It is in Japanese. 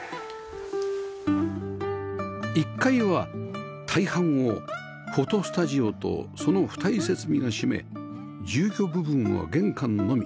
１階は大半をフォトスタジオとその付帯設備が占め住居部分は玄関のみ